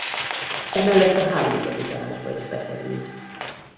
Emellett a Hálózati Tanácsba is bekerült.